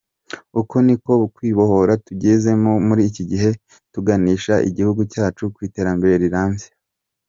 Uko niko kwibohora tugezemo muri iki gihe tuganisha igihugu cyacu ku iterambere rirambye.